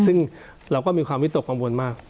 ซึ่งเราก็มีความวิตกกังวลมาก